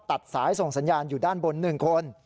ตัดสายส่งสัญญาณอยู่ด้านบน๑คน